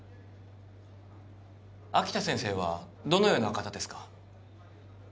秋田先生はどのような方ですか？